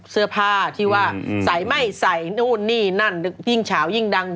เสื้อผ้าที่ว่าใส่ไม่ใส่นู่นนี่นั่นยิ่งเฉายิ่งดัง